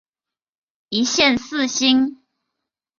一线四星。